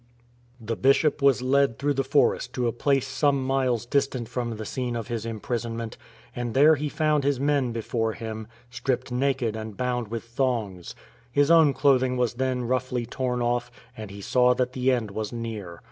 MARTYRDOM The Bishop was led through the forest to a place some miles distant from the scene of his imprisonment, and there he found his men before him, stripped naked and bound with thongs. His own clothing was then roughly torn off; and he saw that the end was near.